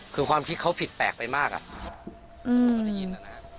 คือความคิดเขาผิดแปลกไปมากอะ